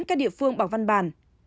các địa phương bằng văn bản